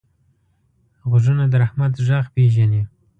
غوږونه د رحمت غږ پېژني